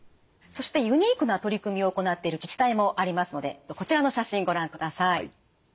そしてユニークな取り組みを行っている自治体もありますのでこちらの写真ご覧ください。